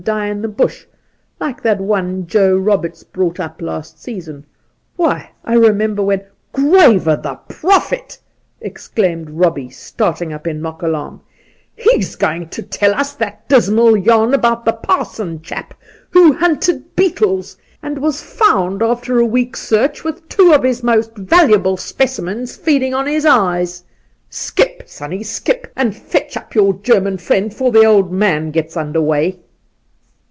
die in the Bush, like that one Joe Roberts brought up last season. Why, I remember when '' Grave o' the Prophet !' exclaimed Robbie, start ing up in mock alarm ;' he's going to tell us that dismal yarn about the parson chap who hunted beetles, and was found after a week's search with two of his most valuable specimens feeding on his Sokke 41 eyes. Skip, sonnie, skip ! and fetch up your German friend 'fore the old man gets under way.'